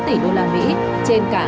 trên cả hai sản chứng khoán